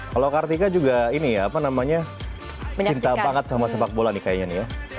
kalau kartika juga ini ya apa namanya cinta banget sama sepak bola nih kayaknya nih ya